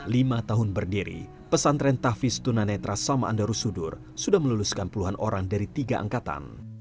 lima tahun berdiri pesantren tafis tunanetra sama andarusudur sudah meluluskan puluhan orang dari tiga angkatan